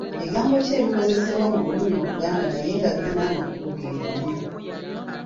Bigambo ki ebikozesebwa mu lulimi Oluganda naye nga birina amakulu ge gamu?